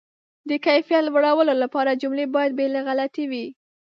د کیفیت لوړولو لپاره، جملې باید بې له غلطۍ وي.